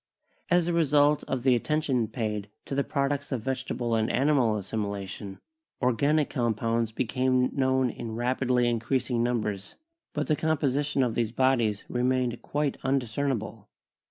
As a result of the attention paid to the products of vege table and animal assimilation, organic compounds became known in rapidly increasing numbers, but the composition of these bodies remained quite undiscernible.